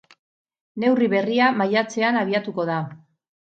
Neurri berria maiatzean abiatuko da.